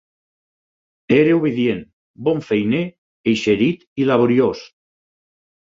Era obedient, bon feiner, eixerit i laboriós